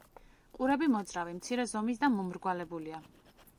ყურები მოძრავი, მცირე ზომის და მომრგვალებულია.